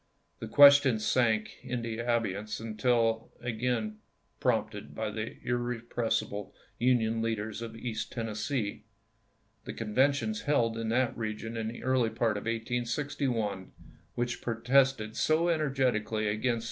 The question sank into abeyance until again prompted by the irre pressible Union leaders of East Tennessee. The "Annual couveutions held in that region in the early part p^dia/' of 1861, which protested so energetically against ai?